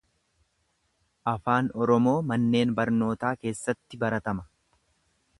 Afaan Oromoo manneen barnootaa keessatti baratama.